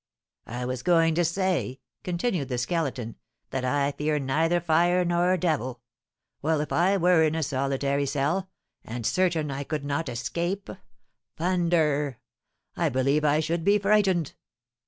"I was going to say," continued the Skeleton, "that I fear neither fire nor devil. Well, if I were in a solitary cell, and certain I could not escape, thunder! I believe I should be frightened!"